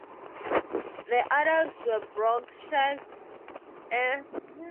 The others were Broxash, Ewyas-Lacy, Grimsworth, Huntington, Webtree and Wigmore.